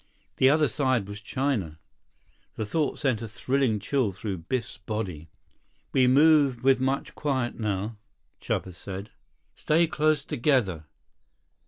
The other side was China. The thought sent a thrilling chill through Biff's body. "We move with much quiet now," Chuba said. "Stay close together.